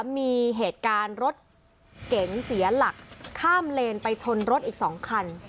มีเหตุการณ์รถเก๋งเสียหลักข้ามเลนไปชนรถอีก๒คัน